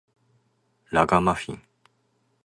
ラガマフィン